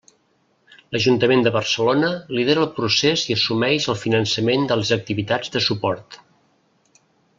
L'Ajuntament de Barcelona lidera el procés i assumeix el finançament de les activitats de suport.